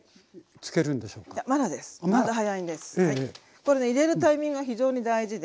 これね入れるタイミングが非常に大事で。